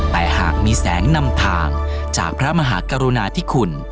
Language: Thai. แต่หากมีแสงนำทางจากพระมหากรุณาธิคุณ